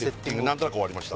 なんとなく終わりました